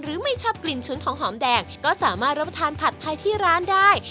ไม่ชอบกลิ่นชุ้นของหอมแดงก็สามารถรับประทานผัดไทยที่ร้านได้